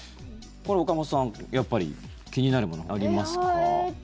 これ、岡本さん気になるものありますか？